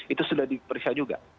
itu sudah diperiksa juga